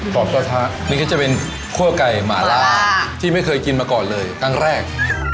กระทะนี่ก็จะเป็นคั่วไก่หมาล่าที่ไม่เคยกินมาก่อนเลยครั้งแรก